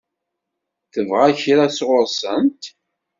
Tebɣa kra sɣur-sent?